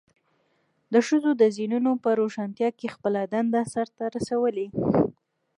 د ښځو د ذهنونو په روښانتیا کې خپله دنده سرته رسولې.